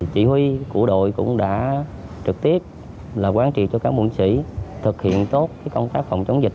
chỉ huy của đội cũng đã trực tiếp là quan trị cho các mụn sĩ thực hiện tốt công tác phòng chống dịch